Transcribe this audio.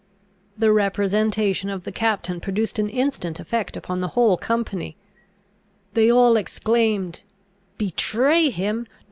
The representation of the captain produced an instant effect upon the whole company. They all exclaimed, "Betray him!